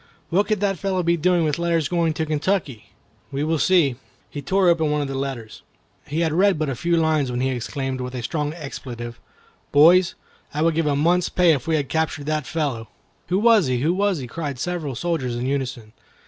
What could that fellow be doing with letters going to Kentucky? We will see." He tore open one of the letters. He had read but a few lines when he exclaimed, with a strong expletive, "Boys, I would give a month's pay if we had captured that fellow!" "Who was he? Who was he?" cried several soldiers in unison.